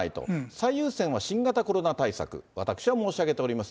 最優先は新型コロナ対策、私は申し上げております。